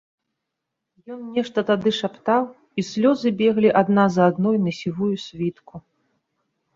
Ён нешта тады шаптаў, і слёзы беглі адна за адной на сівую світку.